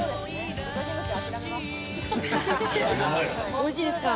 おいしいですか？